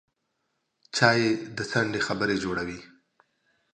چای د څنډې خبرې جوړوي